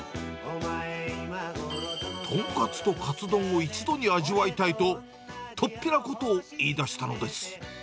豚カツとカツ丼を一度に味わいたいと、突飛なことを言い出したのです。